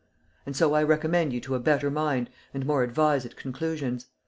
And so I recommend you to a better mind and more advised conclusions."